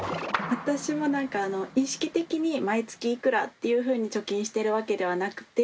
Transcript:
私もなんか意識的に毎月いくらっていうふうに貯金してるわけではなくて。